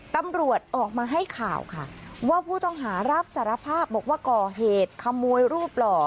ตำรวจออกมาให้ข่าวค่ะว่าผู้ต้องหารับสารภาพบอกว่าก่อเหตุขโมยรูปหล่อ